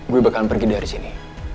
gue bakal pergi dari sini